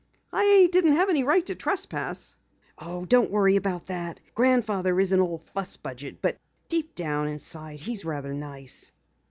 "I didn't have any right to trespass." "Oh, don't worry about that. Grandfather is an old fuss budget. But deep down inside he's rather nice."